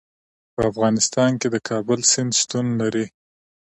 په افغانستان کې د کابل سیند شتون لري.